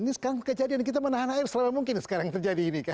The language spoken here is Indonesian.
ini sekarang kejadian kita menahan air selama mungkin sekarang terjadi ini kan